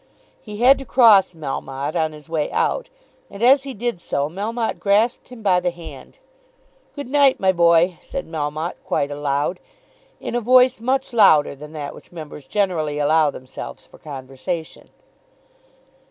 He had to cross Melmotte on his way out, and as he did so Melmotte grasped him by the hand. "Good night, my boy," said Melmotte quite aloud, in a voice much louder than that which members generally allow themselves for conversation.